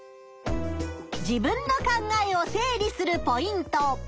自分の考えを整理するポイント。